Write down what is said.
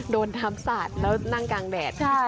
โดนทำสัตว์แล้วนั่งกลางแดด